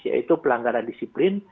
yaitu pelanggaran disiplin